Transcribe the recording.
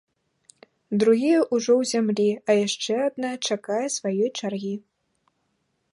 Другія ўжо ў зямлі, а яшчэ адна чакае сваёй чаргі.